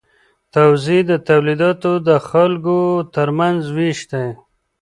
توزیع د تولیداتو د خلکو ترمنځ ویش دی.